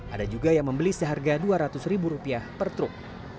ada juga yang membeli seharga dua ratus ribu rupiah per truk